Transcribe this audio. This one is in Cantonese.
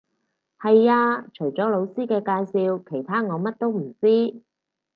係呀，除咗老師嘅介紹，其他我乜都唔知